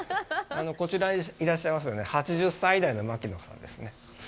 こちらにいらっしゃいますのが、８０歳代の牧野さんですね。